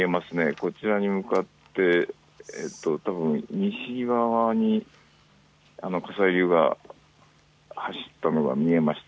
こちらに向かってたぶん西側に火砕流が走ったのが見えました。